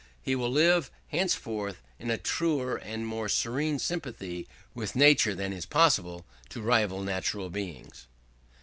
He will live henceforth in a truer and more serene sympathy with nature than is possible to rival natural beings.